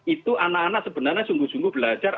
itu anak anak sebenarnya sungguh sungguh belajar